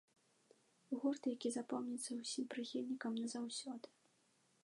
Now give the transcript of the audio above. Гурт, які запомніцца ўсім прыхільнікам назаўсёды.